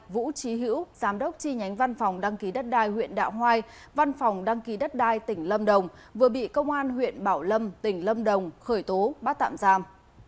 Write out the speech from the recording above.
vũ trí hữu giám đốc chi nhánh văn phòng đăng ký đất đai huyện đạo hoai văn phòng đăng ký đất đai tỉnh lâm đồng vừa bị công an huyện bảo lâm tỉnh lâm đồng khởi tố bắt tạm giam